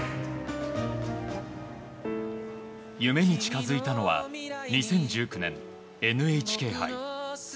夢に近づいたのは、２０１９年ＮＨＫ杯。